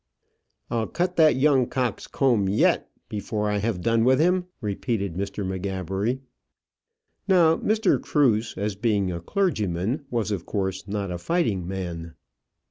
"I'll cut that young cock's comb yet before I have done with him," repeated Mr. M'Gabbery. Now Mr. Cruse, as being a clergyman, was of course not a fighting man.